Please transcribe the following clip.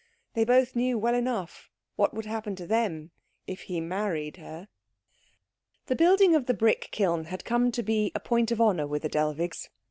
They both knew well enough what would happen to them if he married her. The building of the brick kiln had come to be a point of honour with the Dellwigs.